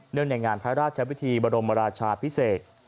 เนื่องในงานพระราชวิทธิบรมราชาพิเศษ